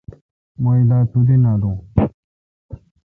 مہ الا تودی نالون۔